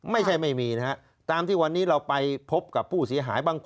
๑๗๐๐๐๐๐ไม่ใช่ไม่มีนะครับตามที่วันนี้เราไปพบกับผู้เสียหายบางคน